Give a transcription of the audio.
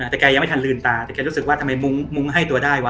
แต่แกยังไม่ทันลืมตาแต่แกรู้สึกว่าทำไมมุ้งมุ้งให้ตัวได้วะ